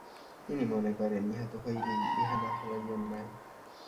তিনি মনে করেন, ইহা তো হইবেই, ইহা না হওয়াই অন্যায়।